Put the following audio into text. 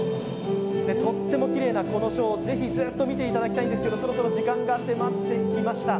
とってもきれいなこのショー是非ずっと見ていただきたいんですがそろそろ時間が迫ってきました。